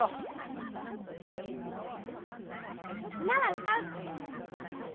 薫：なら歌う！